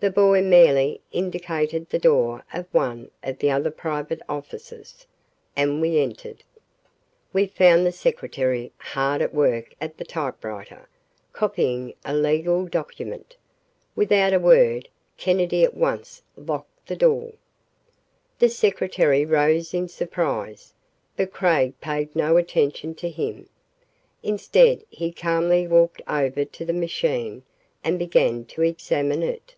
The boy merely indicated the door of one of the other private offices, and we entered. We found the secretary, hard at work at the typewriter, copying a legal document. Without a word, Kennedy at once locked the door. The secretary rose in surprise, but Craig paid no attention to him. Instead he calmly walked over to the machine and began to examine it.